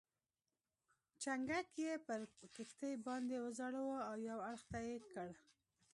چنګک یې پر کښتۍ باندې وځړاوه او یو اړخ ته یې کړ.